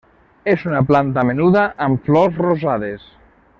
És una planta menuda amb flors rosades.